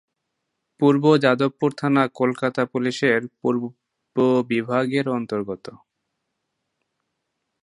পূর্ব যাদবপুর থানা কলকাতা পুলিশের পূর্ব বিভাগের অন্তর্গত।